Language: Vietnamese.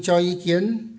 cho ý kiến